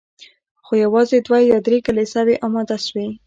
خو یوازي دوه یا درې کلیساوي اماده سوې